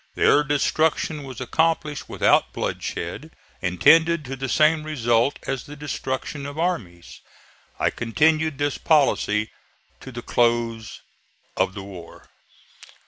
Their destruction was accomplished without bloodshed and tended to the same result as the destruction of armies. I continued this policy to the close of the war.